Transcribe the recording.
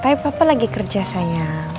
tapi papa lagi kerja saya